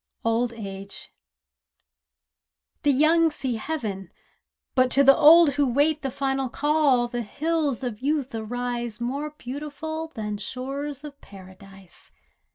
OLD AGE V The young see heaven—but to the old who wait The final call, the hills of youth arise More beautiful than shores of Paradise.